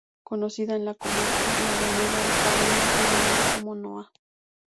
Conocida en La Comarca Lagunera de Coahuila y Durango como noa.